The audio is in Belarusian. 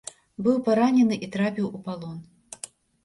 Быў паранены і трапіў у палон.